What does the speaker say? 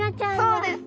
そうです！